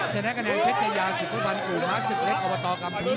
ชนะกระแนนเพชรไชยาสิทธิ์ภูมิภัณฑ์กลุ่มฮาศึกเล็กอวตอกรรมภีร์